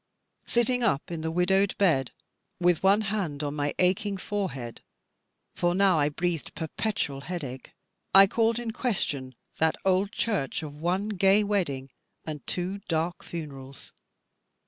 Sitting up in the widowed bed, with one hand on my aching forehead for now I breathed perpetual headache I called in question that old church of one gay wedding and two dark funerals.